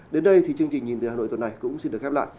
đến đây thì chương trình nhìn từ hà nội tuần này cũng xin được khép lại